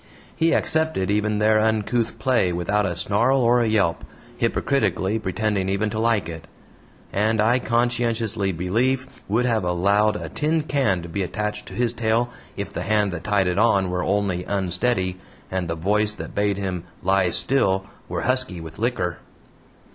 He accepted even their uncouth play without a snarl or a yelp, hypocritically pretending even to like it; and I conscientiously believe would have allowed a tin can to be attached to his tail if the hand that tied it on were only unsteady, and the voice that bade him "lie still" were husky with liquor.